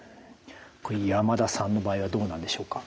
山田さんの場合はどうなんでしょうか？